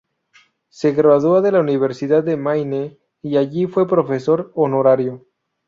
Se gradúa de la Universidad de Maine, y allí fue profesor honorario.